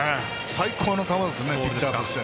最高の球ですねピッチャーとして。